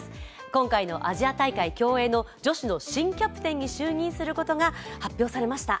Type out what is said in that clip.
今回のアジア大会競泳の女子の新キャプテンに就任することが発表されました。